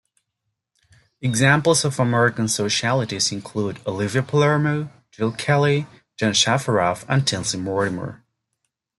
Examples of American socialites include Olivia Palermo, Jill Kelley, Jean Shafiroff, and Tinsley Mortimer.